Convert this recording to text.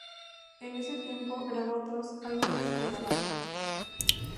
En ese tiempo, grabó dos álbumes con la banda.